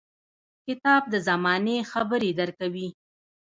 • کتاب د زمانې خبرې درکوي.